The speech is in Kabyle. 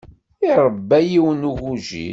Iṛebba yiwen n ugujil.